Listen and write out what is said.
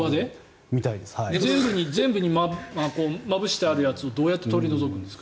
全部にまぶしてあるやつをどうやって取り除くんですか？